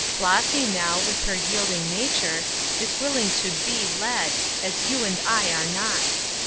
Flossy, now, with her yielding nature, is willing to be led, as you and I are not.